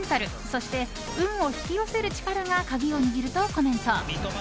そして、運を引き寄せる力が鍵を握るとコメント。